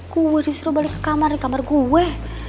gue disuruh balik ke kamar di kamar gue